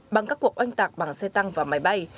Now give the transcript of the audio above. bằng các cuộc oanh tạc bằng xe tăng và máy bay